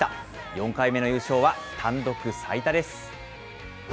４回目の優勝は単独最多です。